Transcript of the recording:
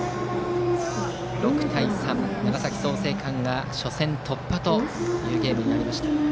６対３と長崎・創成館が初戦突破というゲームでした。